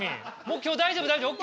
もう今日大丈夫大丈夫。